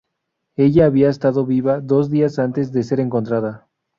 Ella había estado viva dos días antes de ser encontrada.